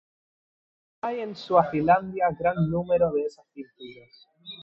Hay en Suazilandia gran número de esas pinturas.